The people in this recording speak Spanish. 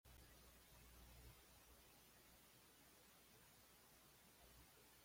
Es uno de los lugares turísticos más visitados de Austria.